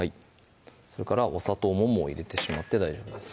それからお砂糖ももう入れてしまって大丈夫です